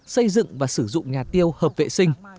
xây dựng và sử dụng nhà tiêu hợp vệ sinh